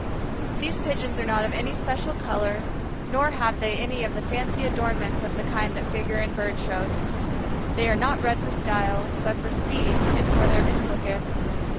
These Pigeons are not of any special color, nor have they any of the fancy adornments of the kind that figure in Bird shows. They are not bred for style, but for speed and for their mental gifts.